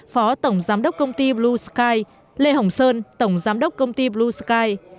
phó tổng giám đốc công ty blue sky lê hồng sơn tổng giám đốc công ty blue sky